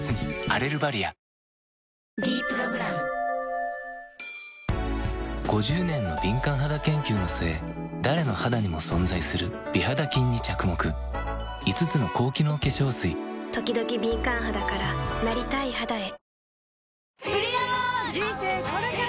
「ｄプログラム」５０年の敏感肌研究の末誰の肌にも存在する美肌菌に着目５つの高機能化粧水ときどき敏感肌からなりたい肌へ人生これから！